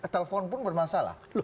telepon pun bermasalah